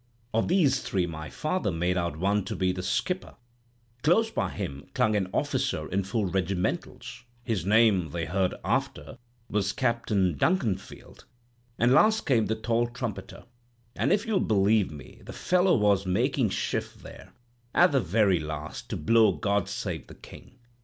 Of these three my father made out one to be the skipper; close by him clung an officer in full regimentals—his name, they heard after, was Captain Dun canfield; and last came the tall trumpeter; and if you'll believe me, the fellow was making shift there, at the very last, to blow 'God Save the King.'